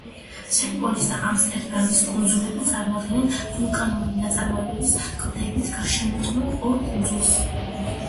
სენ-პოლის და ამსტერდამის კუნძულები წარმოადგენენ ვულკანური წარმოშობის, კლდეებით გარშემორტყმულ ორ კუნძულს.